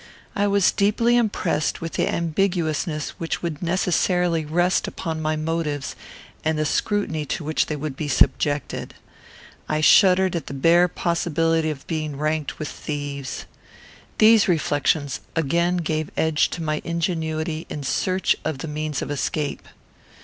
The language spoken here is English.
I was deeply impressed with the ambiguousness which would necessarily rest upon my motives, and the scrutiny to which they would be subjected. I shuddered at the bare possibility of being ranked with thieves. These reflections again gave edge to my ingenuity in search of the means of escape.